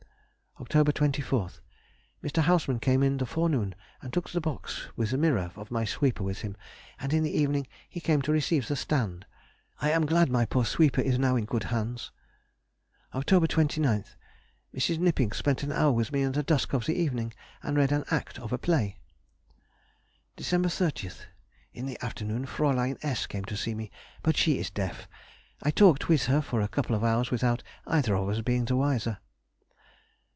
Oct. 24th.—Mr. Hausmann came in the forenoon and took the box with the mirror of my sweeper with him, and in the evening he came to receive the stand. I am glad my poor sweeper is now in good hands! Oct. 29th.—Mrs. Knipping spent an hour with me in the dusk of the evening, and read an act of a play. Dec. 30th.—In the afternoon Fraulein S. came to see me, but she is deaf. I talked with her for a couple of hours without either of us being the wiser.